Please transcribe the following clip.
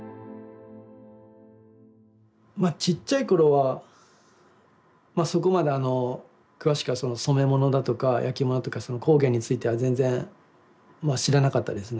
まちっちゃい頃はそこまで詳しくはその染め物だとか焼き物だとかその工芸については全然まあ知らなかったですね。